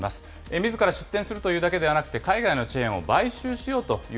みずから出店するというだけではなくて、海外のチェーンを買収しようという